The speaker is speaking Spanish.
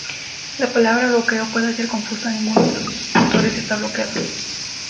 La palabra "bloqueo" puede ser confusa: ninguno de los rotores está bloqueado.